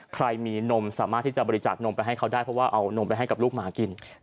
ใครมีนมสามารถที่จะบริจาคนมไปให้เขาได้เพราะว่าเอานมไปให้กับลูกหมากิน